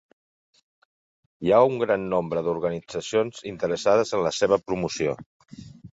Hi ha un gran nombre d’organitzacions interessades en la seva promoció.